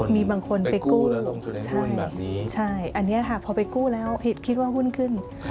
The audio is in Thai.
มีบางคนไปกู้ใช่อันนี้ค่ะพอไปกู้แล้วคิดว่าหุ้นขึ้น